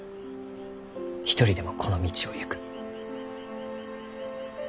一人でもこの道を行く。